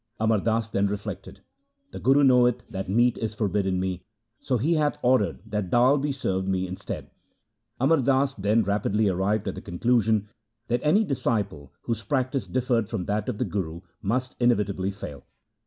Amar Das then reflected, ' The Guru knoweth that meat is forbidden me, so he hath ordered that dal be served me instead.' Amar Das then rapidly arrived at the conclusion that any disciple, whose practice differed from that of the Guru, must inevitably fail.